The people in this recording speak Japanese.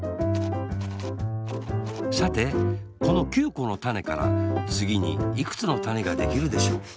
さてこの９このたねからつぎにいくつのたねができるでしょう？